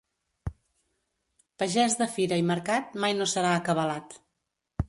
Pagès de fira i mercat mai no serà acabalat.